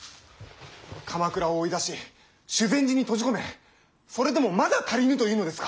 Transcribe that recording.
鎌倉を追い出し修善寺に閉じ込めそれでもまだ足りぬというのですか。